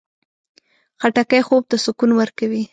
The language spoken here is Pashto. خټکی خوب ته سکون ورکوي.